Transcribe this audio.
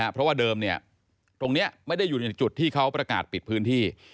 เพราะว่าเดิมตรงนี้ไม่ได้อยู่ในจุดที่เขาประกาศปิดพื้นที่